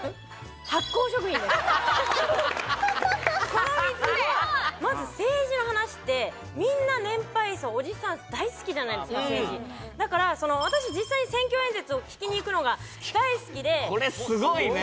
この３つでまず政治の話ってみんな年配層おじさん大好きじゃないですか政治だから私実際に選挙演説を聞きに行くのが大好きでこれすごいね！